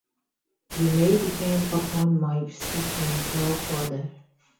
You may depend upon my seeking no further.